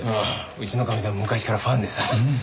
うちのかみさん昔からファンでさ。